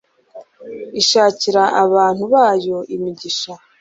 ishakira abantu bayo imigisha